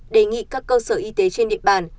đề nghị các cơ sở y tế trên địa bàn